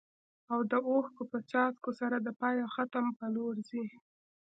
او د اوښکو په څاڅکو سره د پای او ختم په لور ځي.